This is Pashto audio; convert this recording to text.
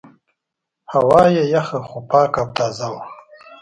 هوا یې یخه خو پاکه او تازه وه.